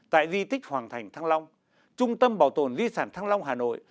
tại di tích hoàng thành thăng long trung tâm bảo tồn di sản thăng long hà nội